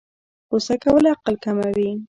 غوسه کول عقل کموي